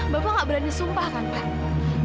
bapak gak berani sumpah kan pak